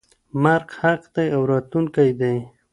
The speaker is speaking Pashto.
مرګ حق دی او راتلونکی دی.